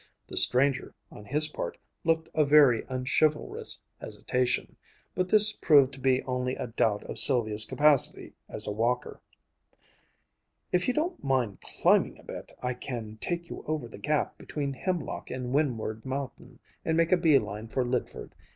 The stranger, on his part, looked a very unchivalrous hesitation; but this proved to be only a doubt of Sylvia's capacity as a walker. "If you don't mind climbing a bit, I can take you over the gap between Hemlock and Windward Mountain and make a bee line for Lydford.